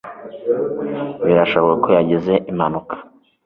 Birashoboka ko yagize impanuka